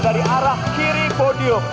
dari arah kiri podium